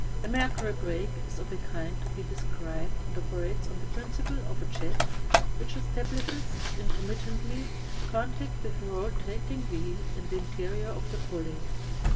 The mercury break is of a kind to be described and operates on the principle of a jet which establishes, intermittently, contact with a rotating wheel in the interior of the pulley.